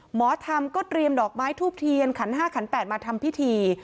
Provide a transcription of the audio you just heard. หมอธรรมก็เตรียมดอกไม้ทูบเทียนขัน๕ขัน๘มาทำพิธี